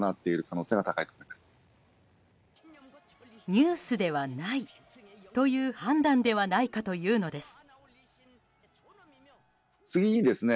ニュースではないという判断ではないかというのです。